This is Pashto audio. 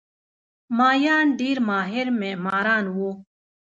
مایان ډېر ماهر معماران وو.